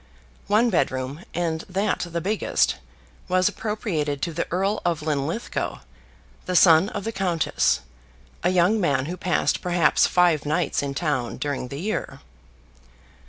One bedroom, and that the biggest, was appropriated to the Earl of Linlithgow, the son of the countess, a young man who passed perhaps five nights in town during the year.